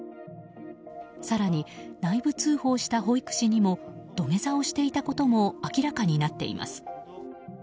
更に内部通報した保育士にも土下座をしていたことも明らかになっています。